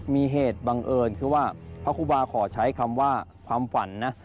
มีเหตุบังเอิญคือว่าพระครูบาขอใช้คำว่าความฝันนะ